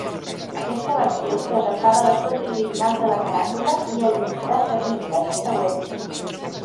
Aquesta versió presentava les fotos originals de la caràtula i el llistat de pistes següent.